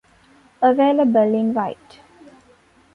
Available in white.